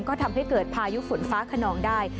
ก็ทำให้เกิดพายุฝนฟ้าขนองได้